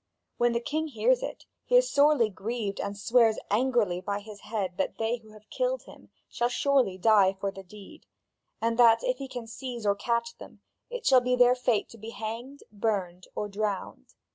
When the king hears it, he is sorely grieved and swears angrily by his head that they who have killed him shall surely die for the deed; and that, if he can seize or catch them, it shall be their fate to be hanged, burned, or drowned.